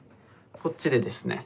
こっちでですね